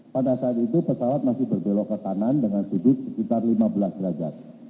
pada saat itu pesawat masih berbelok ke kanan dengan sudut sekitar lima belas derajat